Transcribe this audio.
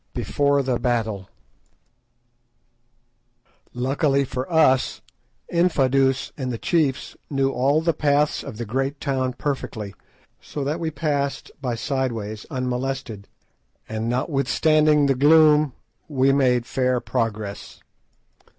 BEFORE THE BATTLE Luckily for us, Infadoos and the chiefs knew all the paths of the great town perfectly, so that we passed by side ways unmolested, and notwithstanding the gloom we made fair progress.